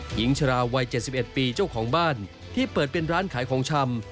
หญิงชราวัย๗๑ปีเจ้าของบ้านที่เปิดเป็นร้านขายของชำ